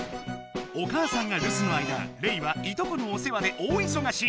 お母さんがるすの間レイはいとこのお世話で大いそがし。